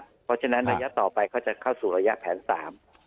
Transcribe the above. เพราะฉะนั้นระยะต่อไปเขาจะเข้าสู่ระยะแผน๓นะครับ